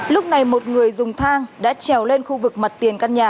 lúc này một người dùng thang đã trèo lên khu vực mặt tiền căn nhà